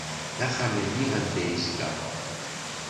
D axxam-nni anda yezdeɣ.